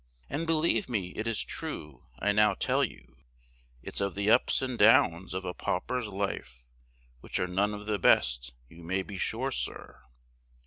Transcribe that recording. And believe me it is true I now tell you; It's of the ups and downs, of a pauper's life, Which are none of the best you may be sure, sir.